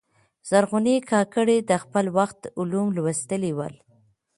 زرغونې کاکړي د خپل وخت علوم لوستلي ول.